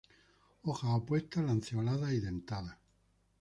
Hojas opuestas, lanceoladas y dentadas.